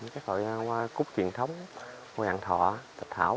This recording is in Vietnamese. các loại hoa cúc truyền thống hoa hạng thọ tạch thảo